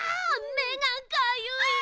めがかゆいよ！